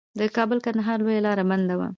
د کابل کندهار لویه لار بنده وه.